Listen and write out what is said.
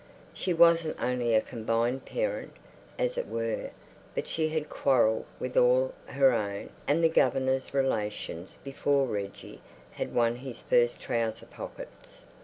She wasn't only a combined parent, as it were, but she had quarrelled with all her own and the governor's relations before Reggie had won his first trouser pockets.